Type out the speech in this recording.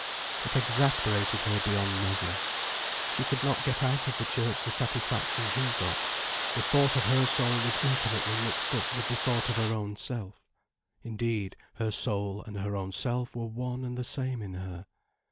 It exasperated her beyond measure. She could not get out of the Church the satisfaction he got. The thought of her soul was intimately mixed up with the thought of her own self. Indeed, her soul and her own self were one and the same in her.